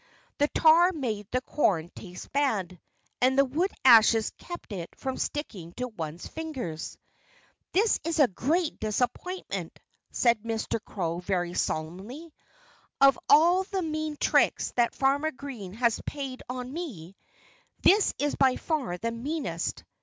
The tar made the corn taste bad. And the wood ashes kept it from sticking to one's fingers. "This is a great disappointment," said Mr. Crow very solemnly. "Of all the mean tricks that Farmer Green has played on me, this is by far the meanest.